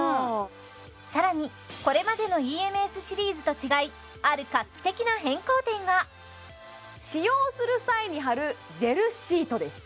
さらにこれまでのＥＭＳシリーズと違いある画期的な変更点が使用する際に貼るジェルシートです